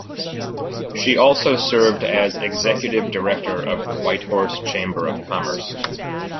She also served as executive director of the Whitehorse Chamber of Commerce.